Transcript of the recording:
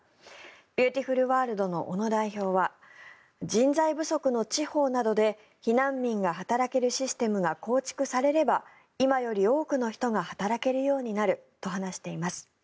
ＢｅａｕｔｉｆｕｌＷｏｒｌｄの小野代表は人材不足の地方などで避難民が働けるシステムが構築されれば今より多くの人が働けるようになると話しています。